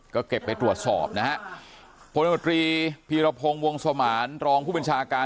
ก็เก็บไปตรวจสอบนะฮะพลมตรีพีรพงศ์วงสมานรองผู้บัญชาการ